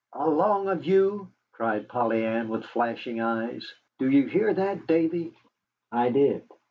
"Along of you!" cried Polly Ann, with flashing eyes. "Do you hear that, Davy?" I did.